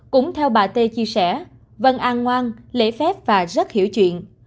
cũng theo bà tê chia sẻ vân an ngoan lễ phép và rất hiểu chuyện